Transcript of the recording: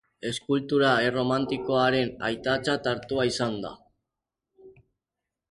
Eskultura erromantikoaren aitatzat hartua izan da.